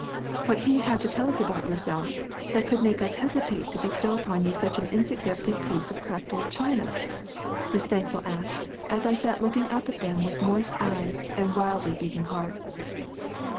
"What can you have to tell us about yourself that could make us hesitate to bestow upon you such an insignificant piece of old cracked china?" Miss Thankful asked as I sat looking up at them with moist eyes and wildly beating heart.